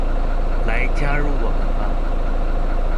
來加入我們吧